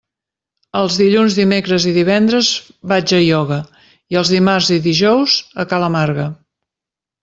Els dilluns, dimecres i divendres vaig a ioga i els dimarts i dijous a ca la Marga.